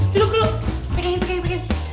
duduk duduk pegangin pegangin pegangin